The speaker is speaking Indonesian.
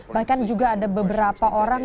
bahkan juga ada beberapa orang